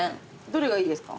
どれがいいですか？